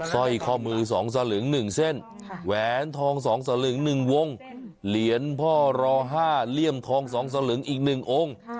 สร้อยคอมือสองสลึงหนึ่งเส้นแหวนทองสองสลึงหนึ่งวงค์เหรียญพ่อรอห้าเลี่ยมทองสองสลึงอีกหนึ่งองค์